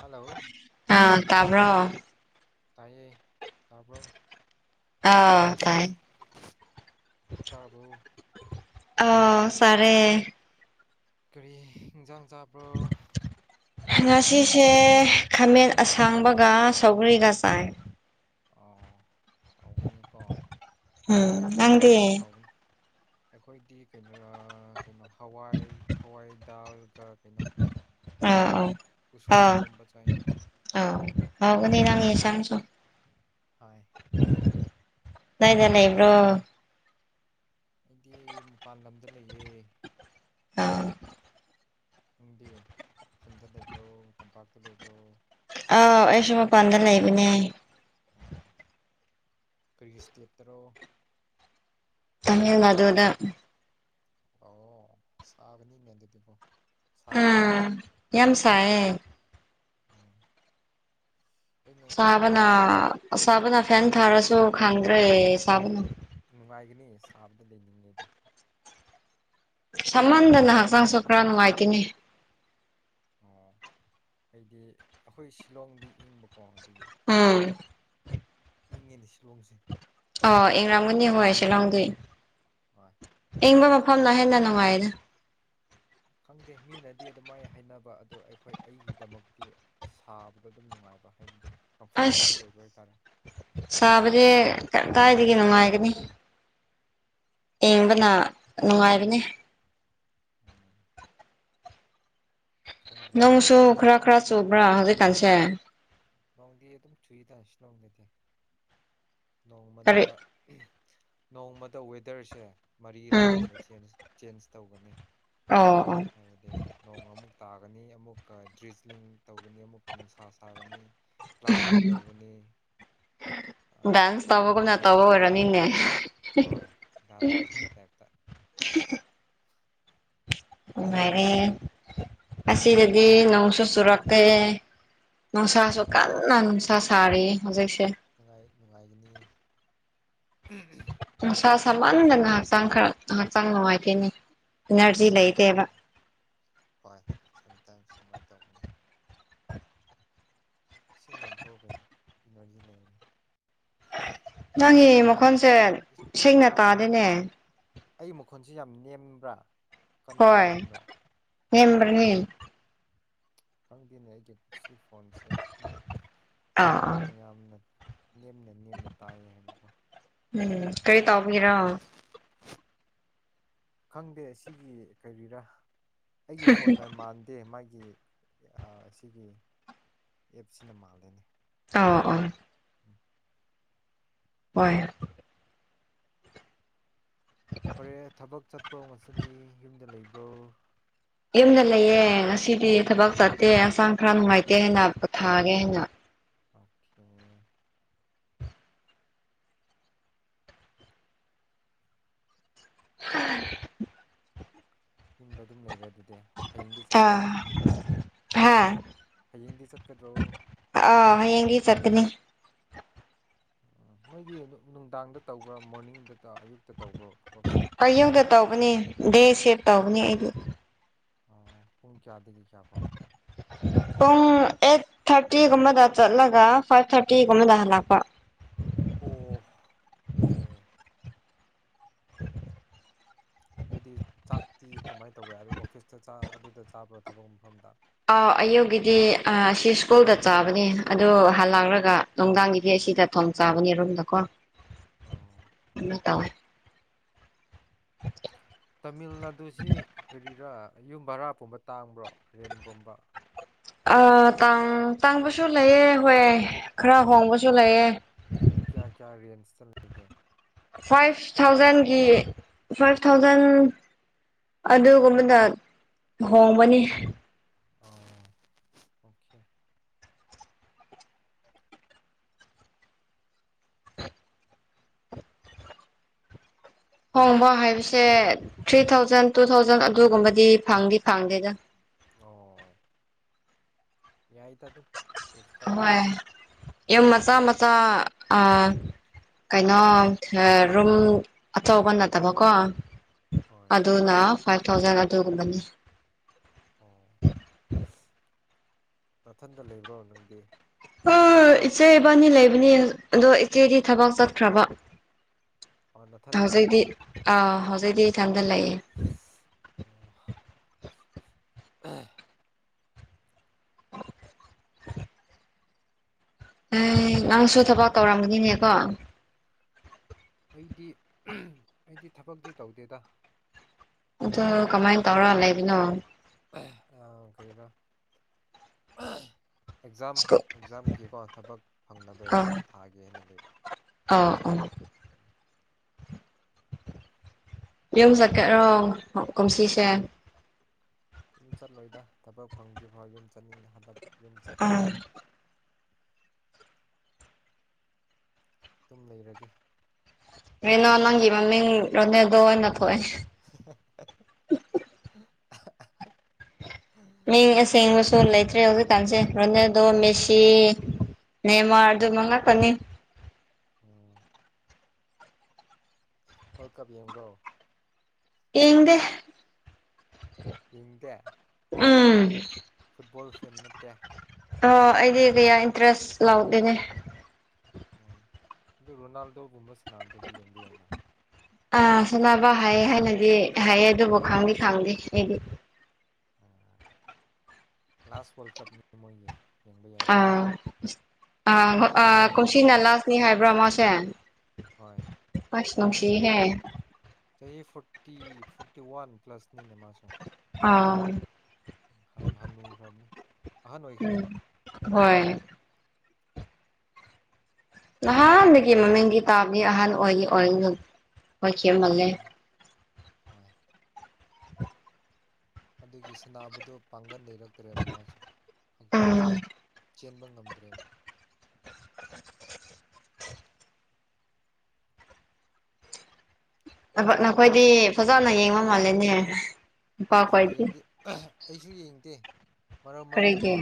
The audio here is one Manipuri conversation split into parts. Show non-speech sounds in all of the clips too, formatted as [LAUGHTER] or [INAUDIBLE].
ꯍꯜꯂꯣ ꯑꯥ ꯇꯥꯕ꯭ꯔꯣ ꯇꯥꯏꯌꯦ ꯇꯥꯕ꯭ꯔꯣ ꯑꯥ ꯇꯥꯏꯌꯦ ꯆꯥꯛ ꯆꯥꯔꯕꯣ ꯑ ꯆꯥꯔꯦ ꯀꯔꯤ ꯏꯟꯖꯥꯡ ꯆꯥꯕ꯭ꯔꯣ ꯉꯁꯤꯁꯦ ꯈꯥꯃꯦꯟ ꯑꯁꯥꯡꯕꯒ ꯁꯧꯒ꯭ꯔꯤꯒ ꯆꯥꯏ ꯑꯣ ꯍꯥꯎꯒꯅꯤꯀꯣ ꯎꯝ ꯍꯥꯎꯒꯅꯤ ꯅꯪꯗꯤ ꯍꯥꯎꯒꯅꯤ ꯑꯩꯈꯣꯏꯗꯤ ꯀꯩꯅꯣ ꯑꯥ ꯀꯩꯅꯣ ꯍꯋꯥꯏ ꯍꯋꯥꯏ ꯗꯥꯜꯒ ꯀꯩꯅꯣꯎꯁꯣꯏ ꯗꯣ ꯑꯥ ꯎꯁꯣꯏꯗꯣ ꯏꯔꯣꯝꯕ ꯆꯥꯏ ꯎꯝ ꯑꯧ ꯍꯥꯎꯒꯅꯦ ꯅꯪꯒꯤ ꯏꯟꯁꯥꯡꯁꯨ ꯍꯣꯏ ꯀꯗꯥꯏꯗꯥ ꯂꯩꯕꯔꯣ ꯑꯩꯗꯤ ꯃꯄꯥꯟ ꯂꯝꯗ ꯂꯩꯌꯦ ꯑꯥ ꯅꯪꯗꯤ ꯈꯨꯟꯗ ꯂꯩꯕ꯭ꯔꯣ ꯇꯝꯄꯥꯛꯇ ꯂꯩꯕ꯭ꯔꯣ ꯑꯥ ꯑꯩ ꯁꯨ ꯃꯄꯥꯟꯗꯥ ꯂꯩꯕꯅꯦ ꯑꯣ ꯀꯔꯤ ꯏꯁꯇꯦꯠꯇꯔꯣ ꯇꯃꯤꯜꯅꯥꯗꯨꯗ ꯑꯣ ꯁꯥꯕꯅꯤꯅꯦ ꯑꯗꯨꯗꯤꯀꯣ ꯁꯔꯝꯒꯅꯤ ꯎꯝ ꯌꯥꯝ ꯁꯥꯏꯌꯦ ꯁꯥꯕꯅ ꯑꯁꯥꯕꯅ ꯐꯦꯟ ꯊꯥꯔꯁꯨ ꯈꯪꯗ꯭ꯔꯦ ꯁꯥꯕꯅ ꯅꯨꯡꯉꯥꯏꯒꯅꯤ ꯁꯥꯕꯗ ꯂꯩꯅꯤꯡꯉꯦ ꯑꯩꯗꯤ ꯁꯃꯟꯗꯅ ꯍꯛꯆꯥꯡꯁꯨ ꯈꯔ ꯅꯨꯡꯉꯥꯏꯇꯦꯅꯦ ꯑꯣ ꯑꯩꯗꯤ ꯑꯩꯈꯣꯏ ꯁꯤꯂꯣꯡꯗꯤ ꯏꯪꯕꯀꯣ ꯑꯗꯨꯗꯤ ꯎꯝ ꯏꯪꯉꯤꯅꯦ ꯁꯤꯂꯣꯡꯁꯦ ꯑꯣ ꯏꯪꯔꯥꯝꯒꯅꯤ ꯍꯣꯏ ꯁꯤ ꯂꯣꯡꯗꯤ ꯍꯣꯏ ꯑꯥꯏꯪꯕ ꯃꯐꯝꯅ ꯍꯦꯟꯅ ꯅꯨꯡꯉꯥꯏꯗꯥ ꯈꯪꯗꯦ ꯃꯤꯅꯗꯤ ꯑꯗꯨꯃꯥꯏꯅ ꯍꯥꯏꯅꯕ ꯑꯗꯣ ꯑꯩꯈꯣꯏ ꯑꯩꯒꯤꯗꯃꯛꯇꯤ ꯁꯥꯕꯗꯣ ꯑꯗꯨꯝ ꯅꯨꯡꯉꯥꯏꯕ ꯍꯥꯏꯕꯗꯤ ꯀꯝꯐꯣꯔꯇꯦꯕꯜ ꯑꯁ ꯑꯣꯏꯕ ꯍꯥꯏꯇꯥꯔꯦ ꯁꯥꯕꯗꯤ ꯎꯝ ꯀꯗꯥꯏꯗꯒꯤ ꯅꯨꯡꯉꯥꯏꯒꯅꯤ ꯑꯦꯡꯕꯅ ꯅꯨꯡꯉꯥꯏꯕꯅꯤ ꯎꯝ ꯈꯪꯗ꯭ꯔꯦ ꯅꯣꯡꯁꯨ ꯈꯔ ꯈꯔ ꯆꯨꯕ꯭ꯔꯥ ꯍꯧꯖꯤꯛꯀꯥꯟꯁꯦ ꯅꯣꯡꯗꯤ ꯑꯗꯨꯝ ꯆꯨꯏꯗ ꯁꯤꯂꯣꯡꯗꯗꯤ ꯅꯣꯡꯃꯗ ꯀꯔꯤ ꯅꯣꯡꯃꯗ ꯋꯦꯗꯔꯁꯦ ꯎꯝ ꯃꯔꯤꯔꯛꯒꯨꯝꯕ ꯆꯦꯟꯖ ꯆꯦꯟꯖ ꯇꯧꯒꯅꯦ ꯑꯧ ꯑꯣ ꯍꯥꯏꯕꯗꯤ ꯅꯣꯡ ꯑꯃꯨꯛ ꯇꯥꯒꯅꯤ ꯑꯃꯨꯛꯀ ꯗ꯭ꯔꯤꯖꯂꯤꯡ ꯇꯧꯒꯅꯤ ꯑꯃꯨꯛꯀ ꯅꯨꯡꯁꯥ ꯁꯥꯒꯅꯤ ꯀ꯭ꯂꯥꯎꯗꯤ ꯇꯧꯒꯅꯤ ꯗꯥꯟꯁ ꯐꯣꯔ ꯇꯧꯕꯒꯨꯝꯅ ꯇꯧꯕ ꯇꯥꯏꯝꯁ ꯑꯣꯏꯔꯝꯅꯤꯅꯦ ꯍꯣꯏ ꯗꯥꯟꯁ ꯇꯧꯕꯒꯤ ꯇꯥꯏꯞꯇ ꯅꯨꯡꯉꯥꯏꯔꯦ ꯑꯁꯤꯗꯗꯤ ꯅꯣꯡꯁꯨ ꯆꯨꯔꯛꯇꯦ ꯅꯨꯡꯁꯥꯁꯨ ꯅꯨꯡꯉꯥꯏ ꯀꯟꯅ ꯅꯨꯡꯁꯥ ꯁꯥꯔꯤꯌꯦ ꯍꯧꯖꯤꯛꯁꯦ ꯅꯨꯡꯉꯥꯏ ꯅꯨꯡꯉꯥꯏꯒꯅꯤ ꯅꯨꯡꯁꯥ ꯁꯥꯃꯟꯅꯗꯅ ꯍꯛꯆꯥꯡ ꯈꯔ ꯍꯛꯆꯥꯡ ꯅꯨꯡꯉꯥꯏꯇꯦꯅꯦ ꯏꯅꯔꯖꯤ ꯂꯩ ꯎꯝ ꯍꯣꯏ ꯁꯝ ꯃꯇꯥꯏꯝꯁ‌ ꯑꯗꯨꯃꯥꯏꯟ ꯇꯧꯕꯅꯦ ꯏꯁꯤꯡ ꯌꯥꯝ ꯊꯣꯛꯑ‌ꯣ ꯀꯩꯅꯣ ꯏꯅꯔꯖꯤ ꯂꯩꯔꯅꯤ ꯅꯪꯒꯤ ꯃꯈꯣꯟꯁꯦ ꯏꯁꯤꯡ ꯌꯥꯝ ꯁꯦꯡꯅ ꯇꯥꯗ‌ꯦꯅꯦ ꯑꯩ ꯃꯈꯣꯟꯁꯤ ꯌꯥꯝ ꯅꯦꯝꯕ꯭ꯔꯥ ꯀꯟꯕ꯭ꯔꯥ ꯍꯣꯏ ꯅꯦꯝꯕ꯭ꯔꯥ ꯑꯣ ꯅꯦꯝꯕ꯭ꯔꯅꯤ ꯈꯪꯗꯦꯅꯦ ꯑꯩꯒꯤ ꯁꯤ ꯐꯣꯟꯁꯦ ꯃꯤ ꯑꯥ ꯑꯥ ꯃꯌꯥꯝꯅ ꯅꯦꯝꯅ ꯅꯦꯝꯅ ꯇꯥꯏꯌꯦ ꯍꯥꯏꯕꯀꯣ ꯎꯝ ꯀꯔꯤ ꯇꯥꯎꯕꯒꯤꯔꯣ ꯈꯪꯗꯦ ꯁꯤꯒꯤ ꯀꯔꯤꯔꯥ ꯑꯩꯒꯤ ꯐꯣꯟꯅ‌ ꯃꯥꯟ ꯇꯦ ꯃꯥꯒꯤ ꯑꯥ ꯁꯤꯒꯤ ꯑꯦꯞꯁꯤꯅ ꯃꯥꯜꯂꯦꯅꯦ ꯑꯥꯎ ꯑꯣ ꯎꯝ ꯍꯣꯏ ꯍꯣꯔꯦ ꯊꯕꯛ ꯆꯠꯄ꯭ꯔꯣ ꯉꯁꯤꯗꯤ ꯌꯨꯝꯗ ꯂꯩꯕ꯭ꯔꯣ ꯌꯨꯝꯗ ꯂꯩꯌꯦ ꯉꯁꯤꯗꯤ ꯊꯕꯛ ꯆꯠꯇꯦ ꯍꯛꯆꯥꯡ ꯈꯔ ꯅꯨꯡꯉꯥꯏꯇꯦ ꯍꯥꯏꯅ ꯄ‌ꯣꯊꯥꯒꯦ ꯍꯥꯏꯅ ꯑꯣꯈꯦ [UNINTELLIGIBLE] ꯌꯨꯝꯗ ꯑꯗꯨꯝ ꯂꯩꯔꯦ ꯑꯗꯨ ꯗ‌ꯦ ꯍꯌꯦꯡꯗꯤ ꯆꯠꯀ꯭ꯔꯣ ꯑꯥ ꯍꯥ ꯍꯌꯦꯡꯗꯤ ꯆꯠꯀꯗ꯭ꯔꯣ ꯑ ꯍꯌꯦꯡꯗꯤ ꯆꯠꯀꯅꯤ ꯑꯣ ꯃꯣꯏꯒꯤ ꯅꯨꯡ ꯅꯨꯡꯗꯥꯡꯗ ꯇꯧꯕ꯭ꯔ‌ꯥ ꯃꯣꯔꯅꯤꯡꯗ ꯇ ꯑꯌꯨꯛꯇ ꯇꯧꯕ꯭ꯔꯣ ꯊꯕꯛꯁꯦ ꯑꯌꯨꯛꯗ ꯇꯧꯕꯅꯤ ꯗꯦ ꯁꯦꯞ ꯇꯧꯕꯅꯤ ꯑꯩꯗꯤ ꯑꯣ ꯄꯨꯡ ꯀꯌꯥꯗꯒꯤ ꯀꯌꯥ ꯐꯥꯎ ꯄꯨꯡ ꯑꯦꯠ ꯊꯥꯔꯇꯤꯒꯨꯝꯕꯗ ꯆꯠꯂꯒ ꯐꯥꯏꯚ ꯊꯥꯔꯇꯤꯒꯨꯝꯕꯗ ꯍꯜꯂꯛꯄ ꯑꯣ ꯑꯣꯈꯦ [INAUDIBLE] ꯑꯗꯨꯗꯤ ꯆꯥꯛꯇꯤ ꯀꯃꯥꯏꯟ ꯇꯧꯕ꯭ꯔꯥ ꯑꯗꯨ ꯑꯣꯐꯤꯁꯇ ꯆꯥ ꯑꯗꯨꯗ ꯆꯥꯕ꯭ꯔꯣ ꯊꯕꯛ ꯃꯐꯝꯗ ꯑꯥꯎ ꯑꯌꯨꯛꯀꯤꯗꯤ ꯑꯥ ꯁꯤ ꯁ꯭ꯀꯨꯜꯗ ꯆꯥꯕꯅꯦ ꯑꯗꯣ ꯍꯟꯂꯛꯔꯒ ꯎꯝ ꯅꯨꯡꯗꯥꯡꯒꯤ ꯒꯤ ꯑꯁꯤꯗ ꯊꯣꯡ ꯆꯥꯕꯅꯦ ꯔꯨꯝꯗꯀꯣ ꯑꯣ ꯑꯗꯨꯃꯥꯏ ꯇꯧꯌ‌ꯦ ꯇꯥꯃꯤꯜ ꯅꯥꯗꯨꯖꯤ ꯀꯔꯤꯔꯥ ꯌꯨꯝ ꯕꯔꯥ ꯄꯨꯝꯕ ꯇꯥꯡꯕ꯭ꯔꯣ ꯔꯦꯟ ꯒꯨꯝꯕ ꯑ ꯇꯥꯡ ꯇꯥꯡꯕꯁꯨ ꯂꯩꯌ‌ꯦ ꯍꯣꯏ ꯈꯔ ꯍꯣꯡꯕꯁꯨ ꯂꯩꯌ‌ꯦ ꯀꯌꯥ ꯀꯌꯥ ꯔꯦꯟꯖꯇꯥ ꯂꯩꯒꯦ ꯐꯥꯏꯚ ꯊꯥꯎꯖꯟꯒꯤ ꯐꯥꯏꯚ ꯊꯥꯎꯖꯟ ꯑꯗꯨꯒꯨꯝꯕꯗ ꯍꯣꯡꯕꯅꯤ ꯑꯣ ꯑꯣꯀꯦ ꯍꯣꯡꯕ ꯍꯥꯏꯕꯁꯦ ꯊ꯭ꯔꯤ ꯊꯥꯎꯖꯟ ꯇꯨ ꯊꯥꯎꯖꯟ ꯑꯗꯨꯒꯨꯝꯕꯗꯤ ꯐꯪꯗꯤ ꯐꯪꯗꯦꯗ ꯑꯣ ꯌꯥꯏꯗ ꯑꯗꯨꯝ ꯀꯩꯁꯨ ꯍꯣꯏ ꯀꯥꯏꯗꯦꯗ ꯌꯨꯝ ꯃꯆꯥ ꯃꯆꯥ ꯑꯥ ꯀꯩꯅꯣ ꯎꯝ ꯑꯥ ꯔꯨꯝ ꯑꯆꯥꯎꯕ ꯅꯠꯇꯕ ꯀꯣ ꯍꯣꯏ ꯑꯗꯨꯅ ꯐꯥꯏꯚ ꯊꯥꯎꯖꯟ ꯑꯗꯨꯒꯨꯝꯕꯅꯤ ꯑꯣ ꯅꯊꯟꯇ ꯂꯩꯕ꯭ꯔꯣ ꯅꯪꯗꯤ ꯍ‌ꯣꯏ ꯏꯆꯦ ꯏꯕꯥꯟꯅꯤ ꯂꯩꯕꯅꯤ ꯑꯗꯣ ꯏꯆꯦꯗꯤ ꯊꯕꯛ ꯆꯠꯈ꯭ꯔꯕ ꯑꯣ ꯅꯥꯊꯟꯗ ꯂꯩꯕ [UNINTELLIGIBLE] ꯑꯥ ꯍꯧꯖꯤꯛꯇꯤ ꯏꯊꯟꯗ ꯂꯩꯌꯦ ꯑꯣ [UNINTELLIGIBLE] ꯑꯦ ꯅꯪꯁꯨ ꯊꯕꯛ ꯇꯧꯔꯝꯒꯅꯤꯅꯦꯀꯣ ꯑꯩꯗꯤ ꯑꯩꯗꯤ ꯊꯕꯛꯇꯤ ꯇꯧꯗꯦꯗ ꯑꯗꯣ ꯀꯃꯥꯏꯅ ꯇꯧꯔ ꯂꯩꯕꯅꯣ ꯑ ꯀꯔꯤꯔ ꯑꯦꯛꯖꯥꯝ ꯁ꯭ꯀꯨꯜ ꯑꯦꯛꯖꯥꯝꯒꯤꯀꯣ ꯊꯕꯛ ꯐꯪꯅꯕ ꯑꯦꯛꯖꯥꯝ ꯊꯥꯒꯦ ꯍꯥꯏꯅ ꯂꯩꯕ ꯑꯣ ꯑꯣ ꯎꯝ ꯌꯨꯝ ꯆꯠꯀꯦꯔꯣ ꯀꯨꯝꯁꯤꯁꯦ ꯌꯨꯝ ꯆꯠꯂꯣꯏꯗ ꯊꯕꯛ ꯐꯪꯗ꯭ꯔꯤꯐꯥꯎ ꯌꯨꯝ ꯆꯠꯅꯤꯡꯗꯦ ꯍꯟꯗꯛ ꯌꯨꯝ ꯑꯥ ꯆꯠꯂꯣꯏꯗ ꯑꯗꯨꯝ ꯂꯩꯔꯒꯦ ꯔꯦꯅꯣ ꯅꯪꯒꯤ ꯃꯃꯤꯡ ꯔꯣꯅꯦꯗꯣ ꯑꯣꯏꯅ ꯊꯣꯛꯑꯦ [UNINTELLIGIBLE] ꯃꯤꯡ ꯑꯁꯦꯡꯕꯁꯨ ꯂꯩꯇ꯭ꯔꯦ ꯍꯧꯖꯤꯛꯀꯥꯟꯁꯦ ꯔꯣꯅꯦꯜꯗꯣ ꯃꯦꯁꯤ ꯅꯦꯃꯥꯔ ꯑꯗꯨꯝꯕ ꯎꯝ ꯉꯥꯛꯇꯅꯤ ꯎꯝ ꯋ꯭ꯔꯥꯜ ꯀꯞ ꯌꯦꯡꯕ꯭ꯔꯣ ꯌꯦꯡꯗꯦ ꯌꯦꯡꯗꯦ ꯎꯝ ꯐꯨꯠꯕꯣꯜ ꯐꯦꯟ ꯅꯠꯇꯦ ꯑꯣ ꯑꯩꯗꯤ ꯀꯌꯥ ꯏꯟꯇꯔꯦꯁ ꯂꯥꯎꯗꯦꯅꯦ ꯑꯣ ꯑꯗꯨ ꯔꯣꯅꯥꯜꯗꯣꯒꯨꯝꯕ ꯁꯥꯟꯅꯕꯗꯗꯤ ꯌꯦꯡꯕ ꯌꯥꯏꯅ ꯑꯥ ꯁꯥꯟꯅꯕ ꯍꯥꯏꯌꯦ ꯍꯥꯏꯅꯗꯤ ꯍꯥꯏꯌꯦ ꯑꯗꯨꯕꯨ ꯈꯪꯗꯤ ꯈꯪꯗꯦ ꯑꯩꯗꯤ ꯎꯝ ꯂꯥꯁ ꯋꯥ꯭ꯔꯜ ꯀꯞꯅꯤ ꯃꯣꯏꯒꯤ ꯌꯦꯡꯕ ꯑ ꯌꯥꯏꯅ ꯑ ꯑ ꯃꯇꯝ ꯂꯩꯕ ꯀꯨꯝꯁꯤꯅ ꯀꯥꯟꯗ ꯂꯥꯁꯅꯤ ꯍꯥꯏꯕ꯭ꯔꯥ ꯃꯥꯁꯦ ꯍꯣꯏ ꯑꯁ ꯆꯍꯤ ꯅꯨꯡꯁꯤꯍꯦ ꯆꯍꯤ ꯐꯣꯔꯇꯤ ꯐꯣꯔꯇꯤ ꯋꯥꯟ ꯄ꯭ꯂꯁꯅꯤꯅꯦ ꯃꯥꯁꯨ ꯑꯥ ꯍꯟ ꯍꯅꯨꯈ꯭ꯔꯕꯅꯦ ꯑꯍꯟ ꯎꯝ ꯑꯣꯏꯈ꯭ꯔꯦꯕ ꯎꯝ ꯍꯣꯏ ꯅꯍꯥꯟꯗꯒꯤ ꯃꯃꯤꯡꯗꯤ ꯇꯥꯕꯅꯤ ꯑꯍꯟ ꯑꯣꯏꯔꯤ ꯑꯣꯏ [UNINTELLIGIBLE] ꯑꯣꯏꯈꯤꯕ ꯃꯥꯜꯂꯦ ꯑꯥ ꯍꯣꯏ ꯑꯗꯨꯒꯤ ꯁꯥꯅꯕꯗꯨꯣ ꯄꯥꯡꯒꯟ ꯂꯩꯔꯛꯇ꯭ꯔꯦꯕ ꯃꯥꯁꯨ ꯎꯝ ꯍꯛꯆꯥꯡꯗꯨꯒꯣ ꯆꯦꯟꯕ ꯉꯝꯗ꯭ꯔꯦꯕ ꯅꯈꯣ ꯅꯈꯣꯏꯗꯤ ꯐꯖꯅ ꯌꯦꯡꯕ ꯃꯥꯜꯂꯦꯅꯦ ꯑꯩꯁꯨ ꯅꯨꯄꯥꯈꯣꯏꯗꯤ ꯌꯦꯡꯗꯦ ꯑꯩꯁꯨ ꯌꯦꯡꯗꯦ ꯃꯔꯛ ꯃꯔꯛꯇ ꯀꯣ ꯀꯔꯤꯒꯤ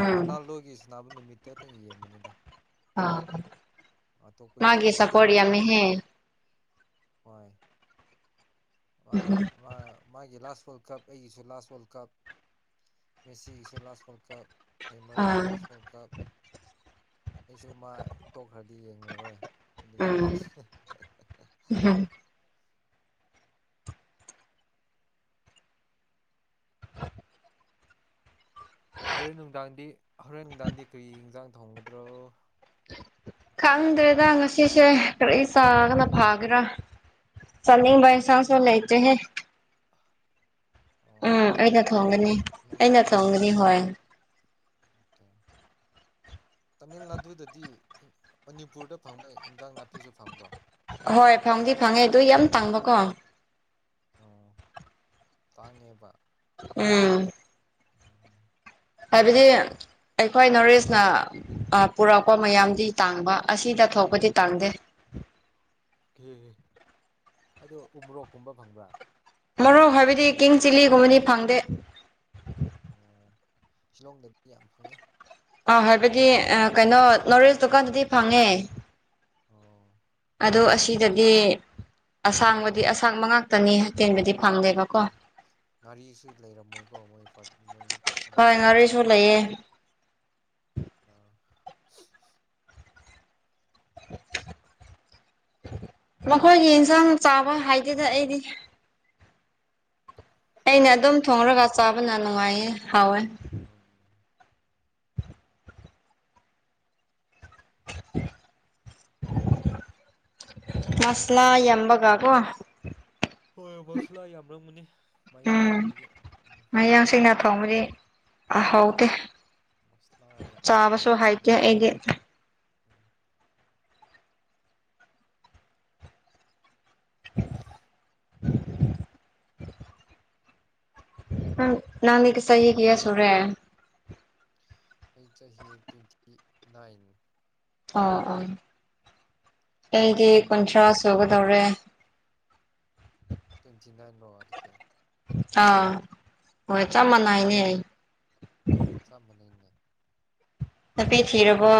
ꯎꯝ ꯔꯣꯅꯥꯜꯗꯣꯒꯤ ꯁꯅꯥꯕꯨ ꯅꯨꯃꯤꯠꯇꯣꯇꯪ ꯌꯦꯡꯕꯅꯤꯗ ꯑꯥ ꯑꯇꯣꯞꯄꯒꯤꯗꯤ ꯃꯥꯒꯤ ꯌꯦꯡꯗꯦ ꯁꯞꯄꯣꯔꯠ ꯃꯇꯝ ꯌꯥꯝꯃꯦꯍꯦ ꯍꯣꯏ ꯎꯝ ꯋꯥꯏ ꯃꯥ ꯃꯥꯒꯤ ꯂꯥꯁ ꯋꯥꯔꯜ ꯀꯞ ꯑꯩꯒꯤꯁꯨ ꯂꯥꯁ ꯋꯥꯔꯜ ꯀꯞ ꯃꯦꯁꯤꯒꯤꯁꯨ ꯂꯥꯁ ꯋꯥꯔꯜ ꯀꯞ ꯑꯩꯃꯔꯒꯤꯁꯨ ꯑꯥ ꯂꯥꯁ ꯋꯥꯔꯜ ꯀꯞ ꯑꯩꯁꯨ ꯃꯥ ꯇꯣꯛꯈ꯭ꯔꯗꯤ ꯌꯦꯡꯂꯔꯣꯏ ꯑꯗꯨꯒꯤ ꯎꯝ [UNINTELLIGIBLE] ꯍꯣꯔꯦꯟ ꯅꯨꯡꯗꯥꯡꯗꯤ ꯍꯣꯔꯦꯟ ꯅꯨꯡꯗꯥꯡꯗꯤ ꯀꯔꯤ ꯏꯟꯖꯥꯡ ꯊꯣꯡꯒꯗ꯭ꯔꯣ ꯈꯪꯗ꯭ꯔꯦꯗ ꯉꯁꯤꯁꯦ ꯀꯔꯤ ꯆꯥꯒꯅ ꯐꯥꯒꯦꯔꯥ ꯆꯥꯅꯤꯡꯕ ꯏꯁ ꯅꯪꯅ ꯊꯣꯡꯕ꯭ꯔꯣ ꯑꯣ ꯎꯝ ꯆꯥꯡ ꯑꯩꯅ ꯏꯟꯖꯥꯡꯗꯤ ꯊꯣꯡꯒꯅꯤ ꯅꯪꯅ ꯑꯩꯅ ꯊꯣꯡꯉꯦ ꯊꯣꯡꯒꯅꯤ ꯎꯝ ꯍꯣꯏ ꯑꯣꯀꯦ ꯇꯥꯃꯤꯜ ꯅꯥꯗꯨꯗꯗꯤ ꯃꯅꯤꯄꯨꯔꯗ ꯐꯪꯕ ꯏꯟꯖꯥꯡ ꯅꯥꯄꯤꯁꯨ ꯐꯪꯕ꯭ꯔꯣ ꯍꯣꯏ ꯐꯪꯗꯤ ꯐꯪꯉꯦ ꯑꯗꯨ ꯌꯥꯝ ꯇꯥꯡꯕꯀꯣ ꯑꯣ ꯇꯥꯡꯉꯦꯕ ꯎꯝ [UNINTELLIGIBLE] ꯍꯥꯏꯕꯗꯤ ꯑꯩꯈꯣꯏ ꯅꯣꯔꯏꯁꯅ ꯑ ꯄꯨꯔꯛꯄ ꯃꯌꯥꯝꯗꯤ ꯇꯥꯡꯕ ꯑꯁꯤꯗ ꯊꯣꯛꯄꯗꯤ ꯇꯥꯡꯗꯦ ꯀꯦ ꯑꯗꯣ ꯎꯃꯣꯔꯣꯛꯀꯨꯝꯕ ꯐꯪꯕ꯭ꯔꯥ ꯃꯣꯔꯣꯛ ꯍꯥꯏꯕꯗꯤ ꯀꯤꯡ ꯆꯤꯜꯂꯤꯒꯨꯝꯕꯗꯤ ꯐꯪꯗꯦ ꯑꯣ ꯁꯤꯂꯣꯡꯗꯒꯤ ꯌꯥꯝ ꯐꯪꯉꯦ ꯑꯥ ꯍꯥꯏꯕꯗꯤ ꯎꯃꯣꯔꯣꯛꯇꯣꯀꯣ ꯑ ꯀꯩꯅꯣ ꯅꯣꯔꯏꯁ ꯗꯨꯀꯥꯟꯗꯨꯗꯤ ꯐꯪꯉꯦ ꯑꯣ ꯑꯗꯣ ꯑꯁꯤꯗꯗꯤ ꯑꯁꯥꯡꯕꯗꯤ ꯐꯪꯗꯕ ꯑꯁꯥꯡꯕ ꯃꯉꯥꯛꯇꯅꯤ ꯑꯇꯦꯟꯕꯗꯤ ꯐꯪꯗꯦꯕꯀꯣ ꯑꯣꯀꯦ ꯉꯥꯔꯤꯁꯨ ꯂꯩꯔꯝꯃꯣꯏꯀꯣ ꯃꯣꯏ ꯐꯔ ꯃꯣꯏ ꯇꯥꯃꯤꯜ ꯍꯣꯏ ꯅꯥꯗꯨꯏ ꯉꯥꯔꯤꯁꯨ ꯃꯤꯗꯤꯀꯣ ꯂꯩꯌꯦ ꯑ ꯃꯈꯣꯏꯒꯤ ꯏꯟꯁꯥꯡ ꯆꯥꯕ ꯍꯥꯏꯇꯦꯗ ꯑꯩꯗꯤ ꯑꯩꯅ ꯍꯣꯏ ꯑꯗꯨꯝ ꯊꯣꯡꯔꯒ ꯍꯥꯎꯒꯗꯕ ꯆꯥꯕꯅ ꯅꯨꯡꯉꯥꯏꯌꯦ ꯍꯥꯎꯋꯦ ꯑꯪ [INAUDIBLE] ꯃꯁꯂꯥ ꯌꯥꯝꯕꯒ ꯀꯣ ꯍꯣꯏ ꯃꯁꯂꯥ ꯌꯥꯝ ꯂꯝꯒꯅꯤ ꯃꯌꯥꯡ ꯎꯝ ꯑꯣꯏꯕꯤꯒꯤ ꯎꯝ ꯃꯌꯥꯡꯁꯤꯡꯅ ꯊꯣꯡꯕꯗꯤ ꯑ ꯍꯥꯎꯇꯦ ꯃꯁꯂꯥ ꯌꯥꯝ ꯌꯥꯝ ꯆꯥꯕꯁꯨ ꯍꯥꯏꯇꯦ ꯆꯥꯕꯅꯦ ꯑꯩꯗꯤ ꯎꯝ [UNINTELLIGIBLE] ꯅꯪ ꯅꯪꯗꯤ ꯆꯍꯤ ꯀꯌꯥ ꯁꯨꯔꯦ ꯑꯩ ꯆꯍꯤ ꯇ꯭ꯋꯦꯟꯇꯤ ꯅꯥꯏꯟ ꯑꯥ ꯑꯥ ꯑꯩꯗꯤ ꯅꯪꯗꯤ ꯀꯨꯟꯊ꯭ꯔꯥ ꯁꯨꯒꯗꯧꯔꯦ ꯇ꯭ꯋꯦꯟꯇꯤ ꯅꯥꯏꯟ ꯂꯣ ꯑꯗꯨꯗꯤ ꯅꯪꯁꯨ ꯑꯥ ꯍꯣꯏ ꯆꯞ ꯃꯥꯟꯅꯩꯅꯦ ꯆꯞ ꯃꯥꯟꯅꯩꯅꯦ ꯇꯄꯦ ꯊꯤꯔꯕꯣ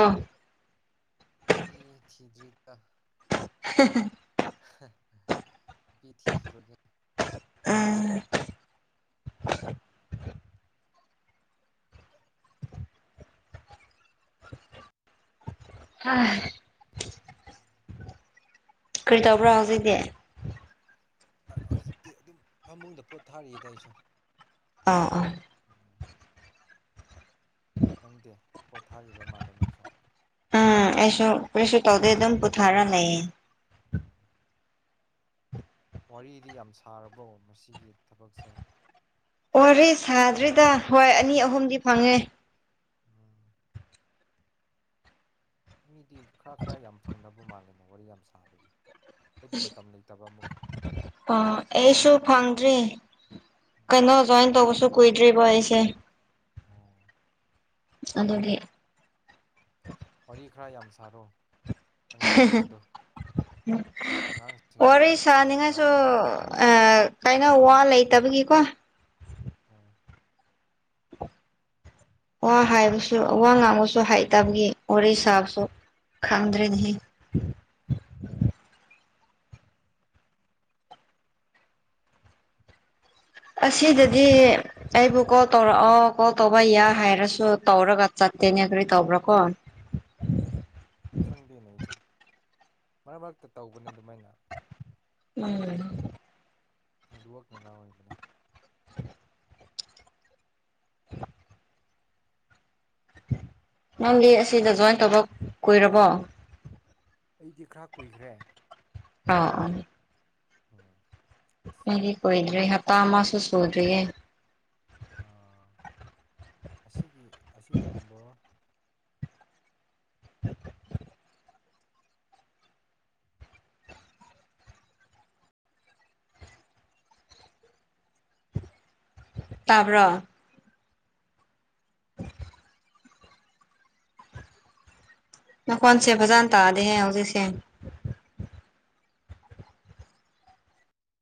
ꯅꯨꯄꯤ ꯊꯤꯗ꯭ꯔꯤꯗ [UNINTELLIGIBLE] ꯅꯨꯄꯤ ꯊꯤꯒꯤꯔꯣꯏꯒ‌ꯦ ꯎꯝ ꯀꯔꯤ ꯇꯧꯕ꯭ꯔꯥ ꯍꯧꯖꯤꯛꯗꯤ ꯑꯥ‌ ꯍꯧꯖꯤꯛꯇꯤ ꯑꯗꯨꯝ ꯐꯃꯨꯡꯗ ꯄꯣꯠꯊꯥꯔꯤꯌꯦꯗ ꯑꯩꯁꯨ ꯑꯥ ꯑꯣ ꯑ ꯅꯪꯗꯦ ꯄꯣꯠꯊꯥꯔꯤꯕ ꯃꯥꯜꯂꯦ ꯅꯪꯁꯨ ꯎꯝ ꯑꯩꯁꯨ ꯀꯔꯤꯁꯨ ꯇꯧꯗꯦ ꯑꯗꯨꯝ ꯄꯨꯊꯥꯔ ꯂꯩꯌꯦ ꯑꯥ ꯋꯥꯔꯤꯗꯤ ꯌꯥꯝ ꯁꯥꯔꯕꯣ ꯃꯁꯤꯒꯤ ꯊꯕꯛꯁꯦ ꯋꯥꯔꯤ ꯁꯥꯗ꯭ꯔꯤꯗ ꯍꯣꯏ ꯑꯅꯤ ꯑꯍꯨꯝꯗꯤ ꯐꯪꯉꯦ ꯑꯥ ꯃꯤꯗꯤ ꯈꯔ ꯈꯔ ꯌꯥꯝ ꯐꯪꯅꯕ ꯃꯥꯜꯂꯦꯅꯦ ꯋꯥꯔꯤ ꯌꯥꯝ ꯁꯥꯕꯒꯤ ꯑꯩꯈꯣꯏꯗꯤ ꯃꯇꯝ ꯂꯩꯇꯕ ꯑꯃꯨꯛ ꯑꯥ ꯑꯩꯁꯨ ꯎꯝ ꯐꯪꯗ꯭ꯔꯤ ꯎꯝ ꯀꯩꯅꯣ ꯖꯣꯏꯟ ꯇꯧꯕꯁꯨ ꯀꯨꯏꯗ꯭ꯔꯤꯕ ꯑꯩꯁꯦ ꯑꯣ ꯑꯗꯨꯒꯤ ꯋꯥꯔꯤ ꯈꯔ ꯌꯥꯝ ꯁꯥꯔꯣ ꯑꯉꯥꯡꯁꯤꯡꯗꯣ ꯑꯉꯥꯡꯁꯤꯡꯗꯣ ꯋꯥꯔꯤ ꯒ꯭ꯔꯨꯞꯇ ꯌꯥꯝ ꯁꯥꯅꯤꯡꯉꯥꯏꯁꯨ ꯌꯥꯎꯕꯅꯦ ꯑꯥ ꯀꯥꯏꯅꯧ ꯋꯥ ꯂꯩꯇꯕꯒꯤꯀꯣ ꯍꯣꯏ ꯋꯥ ꯍꯥꯏꯕꯁꯨ ꯋꯥ ꯉꯥꯡꯕꯁꯨ ꯍꯩꯇꯕꯒꯤ ꯋꯥꯔꯤ ꯁꯥꯕꯁꯨ ꯈꯪꯗ꯭ꯔ‌ꯦꯅ‌ꯦꯍ‌ꯦ ꯎꯝ ꯑꯁꯤꯗꯗꯤ ꯑꯩꯕꯨ ꯀꯣꯛ ꯇꯧꯔꯛꯑ‌ꯣ ꯀꯣꯜ ꯇꯧꯕ ꯌꯥ ꯍꯥꯏꯔꯁꯨ ꯇꯧꯔꯒ ꯆꯠꯇꯦꯅꯦ ꯀꯔꯤ ꯇꯧꯕ꯭ꯔꯥ ꯀꯣ ꯈꯪꯗꯦꯅꯦ ꯑꯩꯁꯨ ꯃꯔꯛ ꯃꯔꯛꯇ ꯇꯧꯕꯅ‌ꯦ ꯑꯗꯨꯃꯥꯏꯅ ꯎꯝ ꯅ‌ꯦꯠꯋꯥꯛꯅꯅꯥ ꯑꯣꯏꯕꯅꯦ [INAUDIBLE] [INAUDIBLE] ꯅꯪꯗꯤ ꯑꯁꯤꯗ ꯖꯣꯏꯟ ꯇꯧꯕ ꯀꯨꯏꯔꯕꯣ ꯑꯩꯗꯤ ꯈꯔ ꯀꯨꯏꯈ꯭ꯔꯦ ꯑ ꯑꯣ ꯎꯝ ꯑꯩꯗꯤ ꯀꯨꯏꯗ꯭꯭ꯔꯤ ꯍꯞꯇꯥ ꯑꯃꯁꯨ ꯁꯨꯗ꯭ꯔꯤꯌ‌ꯦ ꯑꯥ ꯑꯁꯤꯒꯤ ꯑꯁꯤꯀꯨꯝꯕ [INAUDIBLE] ꯇꯥꯕ꯭ꯔ‌ꯣ [INAUDIBLE] ꯅꯈꯣꯟꯁꯦ ꯐꯖꯅ ꯇꯥꯗ‌ꯦꯍꯦ ꯍꯧꯖꯤꯛꯁꯦ